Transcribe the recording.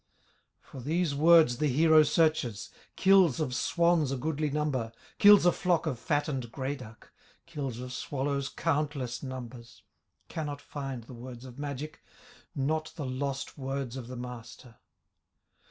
For these words the hero searches, Kills of swans a goodly number, Kills a flock of fattened gray duck, Kills of swallows countless numbers, Cannot find the words of magic, Not the lost words of the Master.